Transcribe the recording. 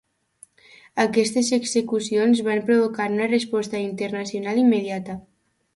Aquestes execucions van provocar una resposta internacional immediata.